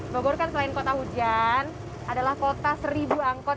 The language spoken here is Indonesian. ya bogor kan selain kota hujan adalah kota seribu angkot